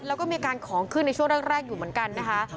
แล้วก็มีการของขึ้นในช่วงแรกอยู่เหมือนกันนะคะ